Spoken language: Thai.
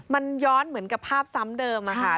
มันย้อนเหมือนกับภาพซ้ำเดิมอะค่ะ